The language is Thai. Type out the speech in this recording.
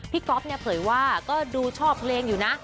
ก๊อฟเนี่ยเผยว่าก็ดูชอบเพลงอยู่นะ